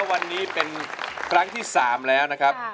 วันนี้เป็นครั้งที่๓แล้วนะครับ